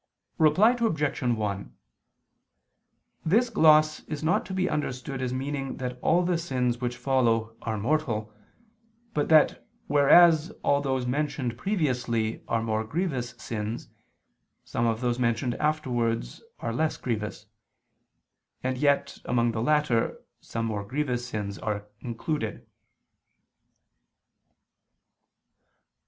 Reply Obj. 1: This gloss is not to be understood as meaning that all the sins which follow, are mortal, but that whereas all those mentioned previously are more grievous sins, some of those mentioned afterwards are less grievous; and yet among the latter some more grievous sins are included.